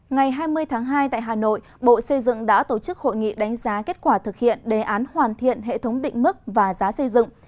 ngày hai mươi tháng hai tại hà nội bộ xây dựng đã tổ chức hội nghị đánh giá kết quả thực hiện đề án hoàn thiện hệ thống định mức và giá xây dựng